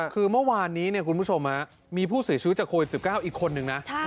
คือเมื่อวานนี้คุณผู้ชมมีผู้เสียชีวิตจากโควิด๑๙อีกคนนึงนะ